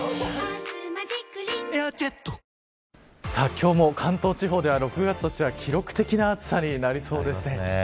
今日も関東地方では６月としては記録的な暑さになりそうです。